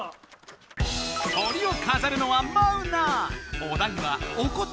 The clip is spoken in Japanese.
トリをかざるのはマウナ！